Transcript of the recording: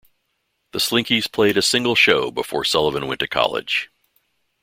The Slinkees played a single show before Sullivan went to college.